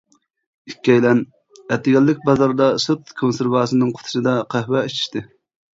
ئىككىيلەن، ئەتىگەنلىك بازاردا سۈت كونسېرۋاسىنىڭ قۇتىسىدا قەھۋە ئىچىشتى.